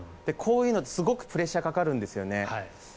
こういうのってすごくプレッシャーかかるんですよね。